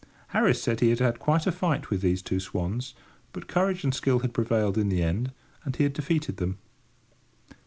Harris said he had had quite a fight with these two swans; but courage and skill had prevailed in the end, and he had defeated them.